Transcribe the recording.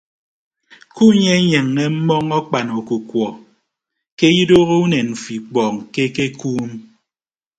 Kunyenyeññe mmọọñ akpan ọkukuọ ke idooho unen mfo ikpọọñ ke ekekuum.